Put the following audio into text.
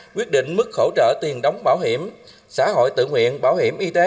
quyết định mức hỗ trợ tiền đóng bảo hiểm xã hội tự nguyện bảo hiểm y tế